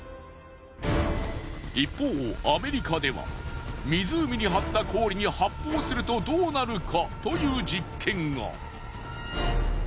一方アメリカでは湖に張った氷に発砲するとどうなるか？という実験が。